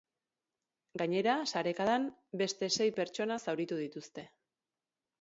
Gainera, sarekadan, beste sei pertsona zauritu dituzte.